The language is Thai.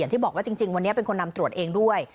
ที่บอกว่าจริงวันนี้เป็นคนนำตรวจเองด้วย